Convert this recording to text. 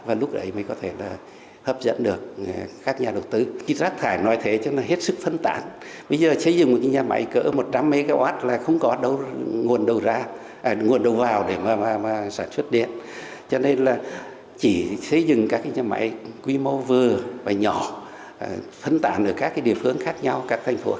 và lúc đấy mới có thể hấp dẫn được các nhà đầu tư